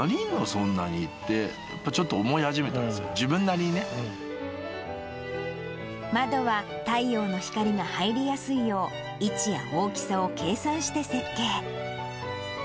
そんなにって、やっぱちょっと思い始めたんです窓は、太陽の光が入りやすいよう、位置や大きさを計算して設計。